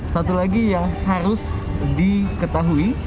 satu lagi yang harus diketahui